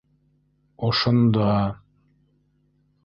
Ошонда...